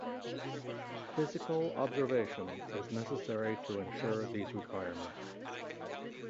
Physical observation is necessary to ensure these requirements.